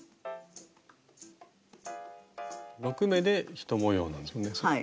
６目で１模様なんですよね。